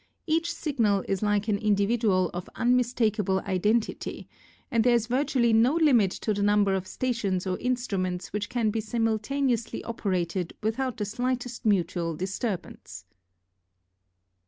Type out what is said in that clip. Each signal is like an individual of unmistakable identity and there is virtually no limit to the number of stations or instruments which can be simultaneously operated without the slightest mutual disturbance.